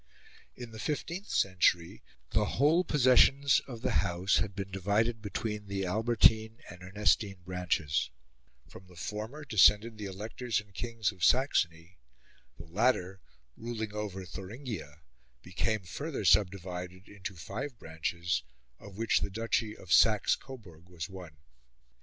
In the fifteenth century the whole possessions of the House had been divided between the Albertine and Ernestine branches: from the former descended the electors and kings of Saxony; the latter, ruling over Thuringia, became further subdivided into five branches, of which the duchy of Saxe Coburg was one.